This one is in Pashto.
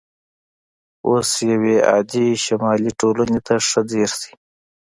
اوس یوې عادي شمالي ټولنې ته ښه ځیر شئ